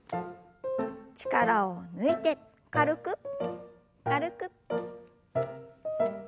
力を抜いて軽く軽く。